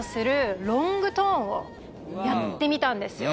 やってみたんですよ。